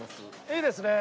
いいですね。